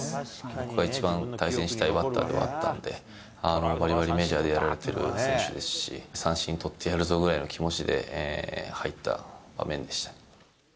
僕が一番対戦したいバッターでもあったので、ばりばりメジャーでやられてる選手ですし、三振を取ってやるぞという気持ちで入った場面でしたね。